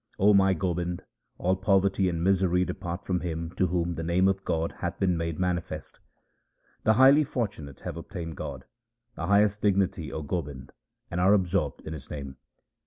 O my Gobind, all poverty and misery depart from him to whom the name of God hath been made manifest. The highly fortunate have obtained God, the highest dignity, O Gobind, and are absorbed in His name.